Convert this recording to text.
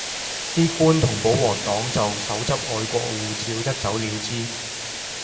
啲官同保皇黨就手執外國護照一走了之